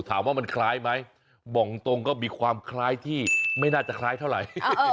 ถามว่ามันคล้ายไหมบอกตรงก็มีความคล้ายที่ไม่น่าจะคล้ายเท่าไหร่